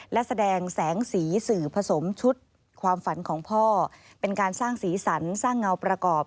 และแสดงแสงสีสื่อผสมชุดความฝันของพ่อเป็นการสร้างสีสันสร้างเงาประกอบ